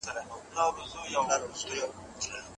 د کابل برید به د خیبر له لاري ترسره شي.